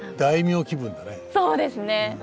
そうですね。